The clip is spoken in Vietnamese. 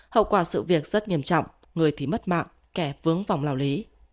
hậu quả sự việc rất nghiêm trọng người thì mất mạng kẻ vướng vòng lao lý